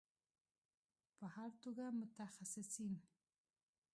په هر توګه متخصصین